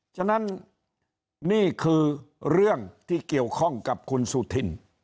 ฉะนั้นนี่คือเรื่องที่เกี่ยวข้องกับคุณสุธิน